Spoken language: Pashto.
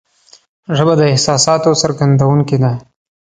ژبه د احساساتو څرګندونکې ده